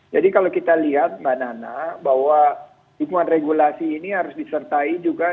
jadi kalau kita lihat mbak nana bahwa hukuman regulasi ini harus disertai juga